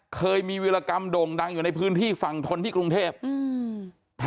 เคยมีวิรากรรมโด่งดังอยู่ในพื้นที่ฝั่งทนที่กรุงเทพอืม